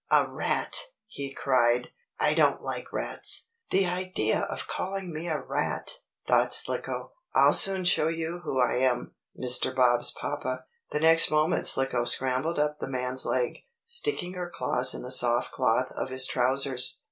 "A rat!" he cried. "I don't like rats!" "The idea of calling me a rat!" thought Slicko. "I'll soon show you who I am, Mr. Bob's papa." The next moment Slicko scrambled up the man's leg, sticking her claws in the soft cloth of his trousers.